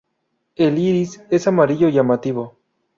El iris es amarillo llamativo.